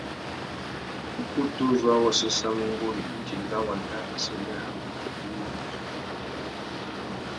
Ukutu uzú a wô séssamú nguru indi enga wandá assênē a wô mitimú a zu wô fá mpí.